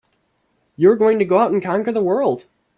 You were going to go out and conquer the world!